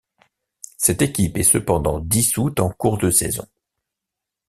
Cette équipe est cependant dissoute en cours de saison.